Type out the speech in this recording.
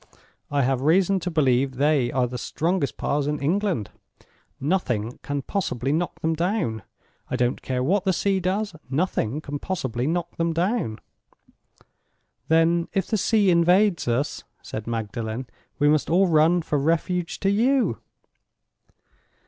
I have reason to believe they are the strongest piles in England. Nothing can possibly knock them down—I don't care what the sea does—nothing can possibly knock them down." "Then, if the sea invades us," said Magdalen, "we must all run for refuge to you."